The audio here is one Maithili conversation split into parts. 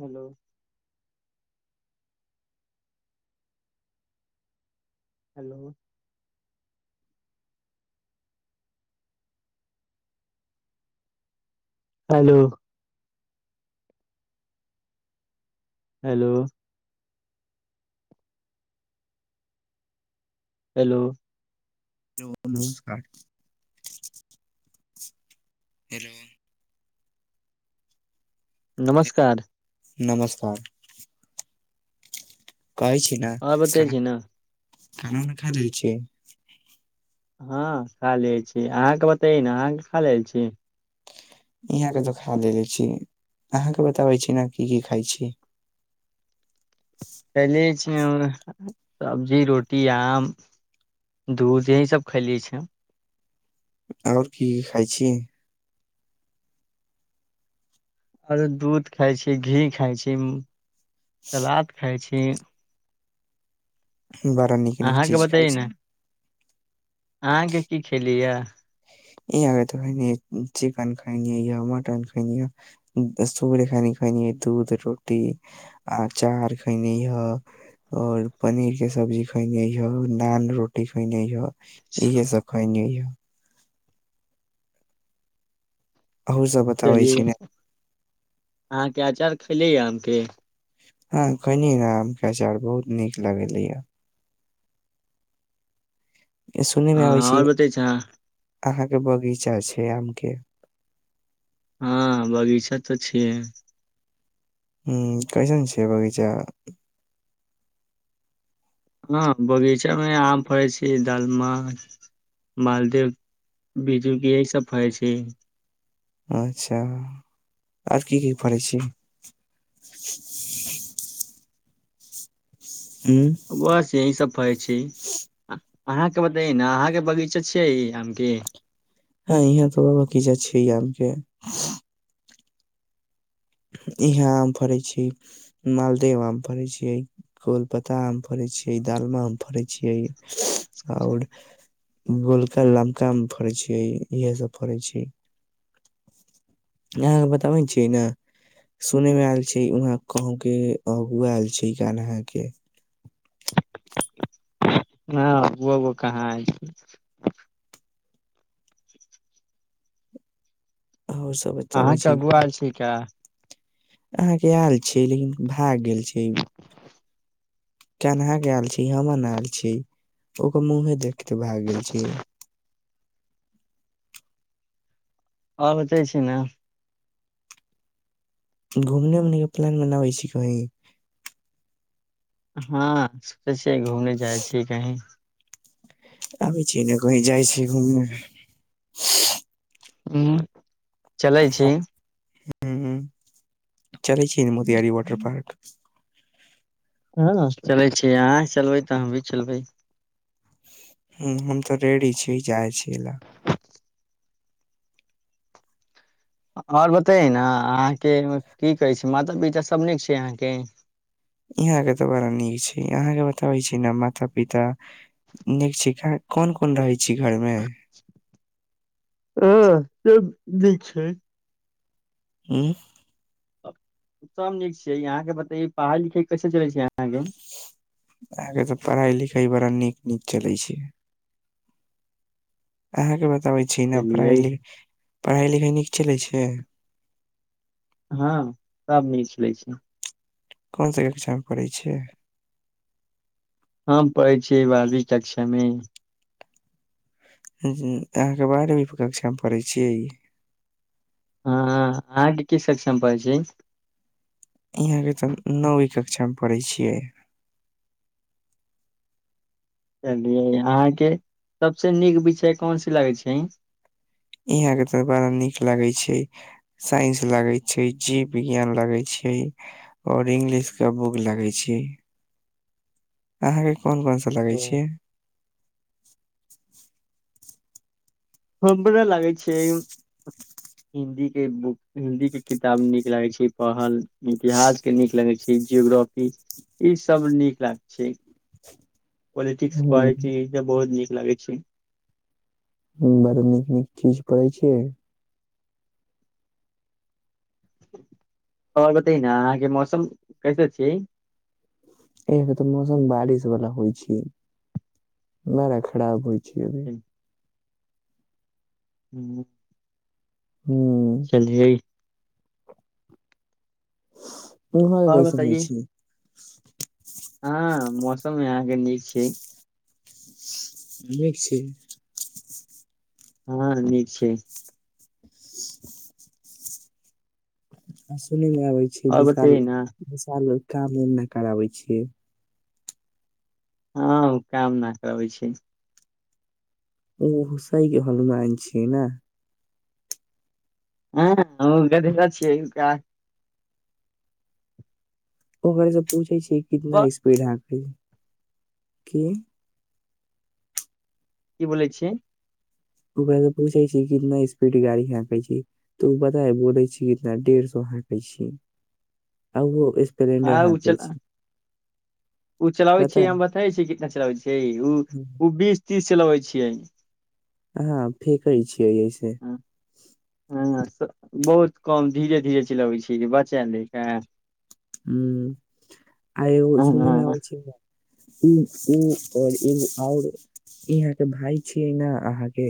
हलो। हलो। हलो। हलो। हलो। ह हेलो, [unintelligible] नमस्कार। नमस्कार। कहै छी नेय आओर बतै खाना, छी ने खाना-उना खाय लै छी। हां खा लेय छी, अहाँके उतै ने अहाँके खा लेय छी। यहा के दोखा देय छी, अहाँ के बताबै छी ने की की खाय छी। चले छी, ह सब्जी रोटी आम। दूध यही सभ खलियए छै। और की खाइ छी। और दूध खाइ छी, घी खाइ छी, सलाद खाइ छी। बड़ा नीक-नीक चीज अहाँके खाय बतैयै छी। ने अहाँके की खेली ये ई आगे तऽ चिकन खायनि य मटन खायनि य। सुबहरे खनी खइनी दूध रोटी, आचार खइनी हो। और पनीर के सब्जी खयन यो, नान रोटी खयने यो। इहे सब खइने यो। ओहो सबह चलिय अहाँके अचार खैले य आमके अहाॅं खइनि आम के अचार बहुत नीक लगलै य। सुनै मे आबै छी, आओर बतै छै अहाॅं के बगीचा छैय आम के हां बगीचा तऽ छियै। हूॅं, कैसन छै बगीचा। हां बगीचा मे आम फड़ै छी दाल मछ मालदेव बिज्जू के यही सब फरै छै। अच्छा आर की-की फरै छी। हूॅं। बस यही सब फरै छी। अहाँके बताइ नेय अहाँके बगीचा छई आम के हां इहाँ तऽ ब बगीचा छैय, आमके इहाँ आम फड़ै छी, मालदेव आम फड़ै छियै। कोलपता आम फड़ै छियै, दालमा आम फड़ै छियै, और गोलका-लमका आम फड़ै छियै, इहे सब फड़ै छी। ईहाँके बताबै छियै नै सुनै मे आयल छैय, उहाँ कहुं के अहुं आयल छैय, गान अहाॅं के हां वो-वो कहाँ अइ अहुं सब बताबै अहाँके छी अगुआ गहम छी का अहाँ गयाल छियै, लेकिन भाय गेल छियै। केनहा गैल छी, ई हमर नाल छी। तऽ ओकर मुंँहे देखते भाग गेल छी। और बताइ छि न? घुमने उमने के प्लान बनाबै छी कहीं? हँ सोचै छियै, घूमने जाइ छीयै कहीं। आबै छी ने, कहीं जाइ छियै घुमें। उम्म, चलै छी। हुँ-हुँ, चलै छि न मोतियारी वाटर पार्क? हँ, चलै छी, अहाँ चलबै तऽ हम भी चलबै। हूँ, हम तऽ रेडी छीयै जाइ छीयै ला। अ-और बताइ ना, अहाँके ह्-की कहै छि माता पिता सब नीक छियै अहाँके? ईहाँ के तऽ बड़ा नीक छै, अहाँके बताबै छी न माता पिता नीक छिखा कोन-कोन रहै छी घर में? अऽ से जे छै हुॅं? अ सब नीक छियै, यहाँ के बतैयो परहाई लिखई कैसे चलै छै अहाँ के? अहाँके तऽ परहाई लिखाई बड़ा नीक नीक चलै छै। अहाँके बताबै छी ने चलियै परहाइ-लिक, परहाई लिखाई नीक चलै छै? हँ, सब नीक चलै छै। कोन से ऐक्क्षा म परहै छी? हम पहैइ छियै बारबी कक्षा में। त अहाँके बारहमी कक्षा में परहै छी? हँऽ, अहाँ के किस कक्षा में परहै छी? इहां के तऽ नौवीं कक्षा में परहै छियै। चलियै अहाँके सबसे नीक विषय कोन सी लगै छैं? इ आहाँ के तऽ बड़ा नीक लागै छै? साइंस लागै छै, जीव विज्ञान लागै छै। और इंगलिश के बुक लागै छियै, अहाँके कोन कोन सा लगै ओ, छियै? हमरा लागै छियै हिन्दी के बुक, हिन्दी के किताब नीक लागै छियै पहल, इतिहास के नीक लगै छियै। ई जोग्रॅपी ई सब नीक लाग छियै। पॉलिटिक्स हुं पढ़ै छीई, ई छव बहुत नीक लागै छै। हूँ बड़ नीक नीक चीज परहै छियै। और बताइ न अहाँके मौसम कैसा छियै? इहॉं के त मौसम बारिश वला होइ छियै, बड़ा खराब होइ छियै अभी। ह्म्म। हूँ। हूं। चल जइ? उम्हर आओर गैसन में बतैयै छी। हँ, मौसम यहाँ के नीक छै। निक छै। हँ, नीक छै। आ सुनै में आबे छै आओर बतैयै ने विशाल-विशाल काम उम नै कराबै छीयै? हँ, ओ काम न करबै छियै। ओ हुसाई के हलुमान छै न? हँ उनका देखल छियै उनका ओकरे स पूछे छीयै कितना प- स्पीड है हांके की की बोलै छियै? ओकरा से पूछै छी कितना स्पीड गाड़ी हांकै छै। तऽ ऊ पता अइ बोलै छी कितना डेढ़ सौ हांकै छीयै आ उहो स्पी प्लेंडर हांकै छै। ऊ चलाबै छियै पता हम बताबे छीयै कितना चलाबै छियै ऊ ऊ बीस तीस चलबै छियै। कहां फेेकै छियै ऐसे। हं बहुत कम धीरे धीरे चलबै छीयै जे [unintelligible] हूं आ एगो हाँ सुुने में आबै छै क ई ऊ और इन आउर इ यहाँ के भाय छियै ने अहाँके।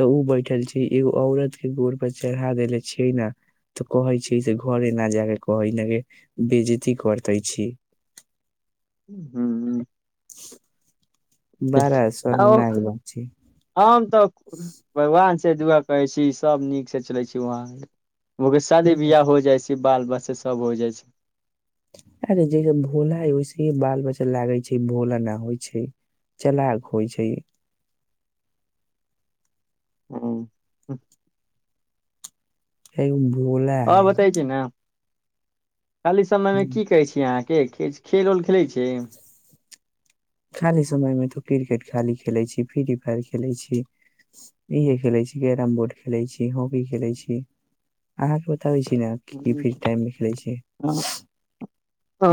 तऽ ऊ बैठल छै एगो औरत के गोर पर चढ़ा देेले छियै न। तऽ कहै छै से घरे ना जाके कहै न बेजती करतै छी। हूं हूं बडा औ शर्मनाक बात छै। हम तऽ भगवान से दुआ करै छी सभ नीकसे चलै छै वहाँ। ओकर शादी बियाह हो जाइ छै बाल बच्चा सब हो जाइ छै। अरे जैसे भोला है ओैसे ही बाल बच्चा लागै छै भोलाना होइ छै। चलाक होइ छै। हूं एक भोला है। कि ने खाली समयमे की करै छी अहाँके किछ खेल उल खेलै छी? खाली समयमे त क्रिकेट खाली खेलै छी फ्री फायर खेलै छी। इहे खेलै छी कैरम बोर्ड खेलो छी हॉकी खेलै छी अहाँ के बताबै छी न। हूं हं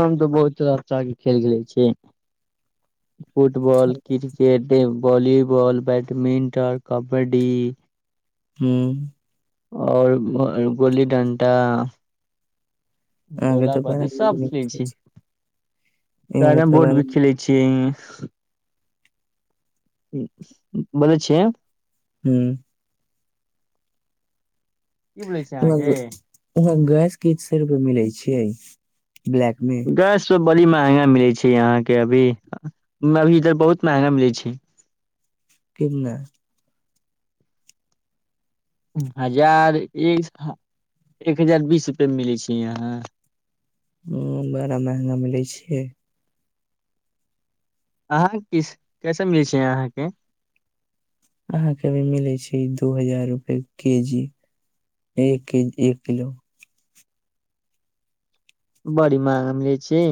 हम तऽ बहुत [unintelligible] के खेल खेलै छी। Football, cricket, volleyball, badminton, kabaddi हूं और गोली डंटा। अहाँके तऽ बड़ा डोलापाटी नीक सब नीक खेलै छी छै यहाँ कैरम तऽ बोर्ड बड़ा भी खेलै छी। छीं हं ऊं बोलै छिये हूं की बोलै छै वहां ग अहाँके वहां गैस कै स रूपे मिलै छियै ब्लैक मे‌। गैस सब बड़ी महगा मिलै छै अहाँके अभी अभी इधर बहुत महगा मिलै छै। किन नै? हजार एक हजार बीस रुपए मे मिलै छै यहाँ। हं बड़ा महंगा मिलै छियै। अहाँ किस कैसे मिलैछै अहाँके। अहाँके अभी मिलैय छी दू हजार रुपए के जी। एक के डेढ किलो। बड़ी महंगा मिलै छीये।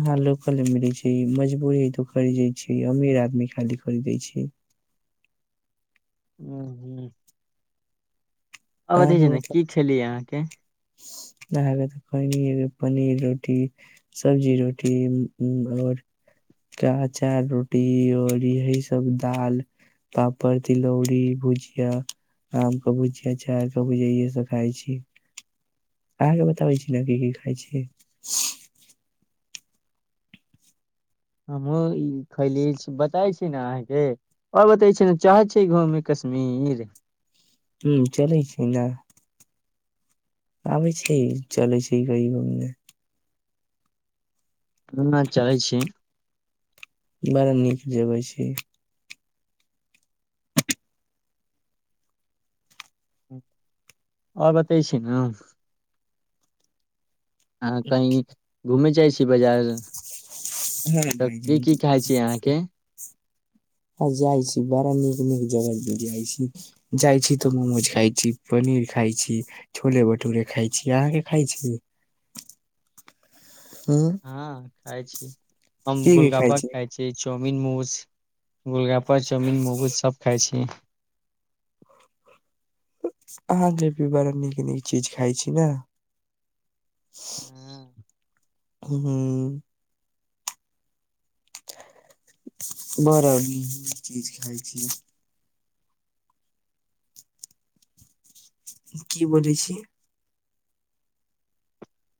अहाॅं लोकले मिलै छै मजबूरी हैतो इतो खरीदे छै अमीर आदमी खाली खरीदै छैय। हूंहूं छै ने की खेली अहाँके [unintelligible] [unintelligible] लागत पनीर पनीर रोटी। सब्जी रोटी ऊंउम और। कहा अचार रोटी और एही सब दाल। पापड़, तिलौड़ी, भुजिया, आमके भुजि। अचार क भुजैये सँ खाइ छी। अहाँके बताबैय छी न की की खाइ छी। [unintelligible] हमहुँ ई खैले छी बताय छी न अहाँके। और बतबै छी न चाहय छी घूमे कश्मीर। हुँ चलैय छी ना। आबै छै चलै छी कही घूमने। सुन न चलैय छी। बड़ा नीक जगह छै। और बतय छी ना। अहाँ कही घुमैय जाइ छी बजार। अहाँके [unintelligible] हँ जाइ छी बड़ा नीक नीक जगह जाइ छी। जाइ छी त मोमोज खाइ छी पनीर खाइ छी। छोले भटूरे खाइ छी अहाँकेँ खाइ छी [unintelligible] ऊ। हँ खाय छी हम गोलगप्पा खाय छी चाउमिन मोज गोलगप्प। प चाउमिन ममोज सब खाइ छी। अहाँके भी बड़ा नीक नीक चीज खाइ छी न। [unintelligible] हँ। हुँहूँ। [unintelligible] [unintelligible] की बजै छी।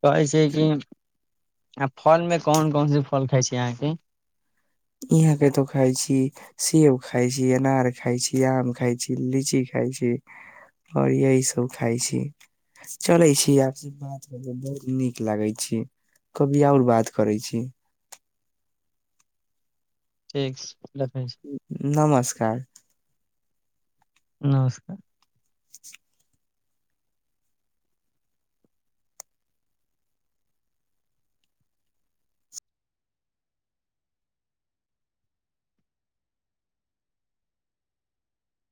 कहै छै कि आ फलमे कोन कोनसे फल खाइ छी अहाँकेँ। इहाँ कतौ खाइ छी। सेब खाइ छी अनार खाइ छी आम खाइ छी लीची खाइ छी। ह यही सब खाइ छी। चलैय छी [unintelligible] बहुत नीक लागैय छी ‌। कभी और बात करैय छी। ठीक छै रखै छी। नमस्कार ‌। नमस्कार। [unintelligible]